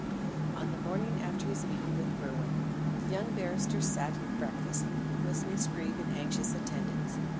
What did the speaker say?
On the morning after his meeting with Berwin, the young barrister sat at breakfast, with Miss Greeb in anxious attendance.